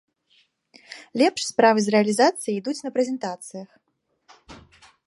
Лепш справы з рэалізацыяй ідуць на прэзентацыях.